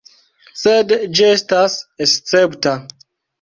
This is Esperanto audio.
Sed ĝi estas escepta.